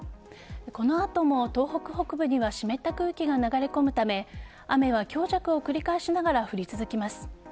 この後も東北北部には湿った空気が流れ込むため雨は強弱を繰り返しながら降り続きます。